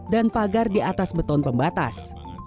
dan pagar di atas beton pembatas